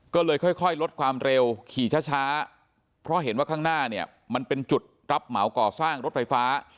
ก็เลยค่อยลดความเร็วขี่ช้าเพราะเห็นว่าข้างหน้าเนี่ยมันเป็นจุดรับเหมาก่อสร้างรถไฟฟ้า